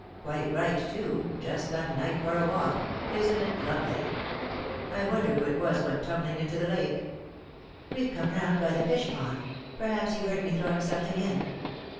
"Quite right, too; just the night for a walk; isn't it lovely ? I wonder who it was went tumbling into the lake." " We've come round by the fishpond ; perhaps you heard me throwing something in."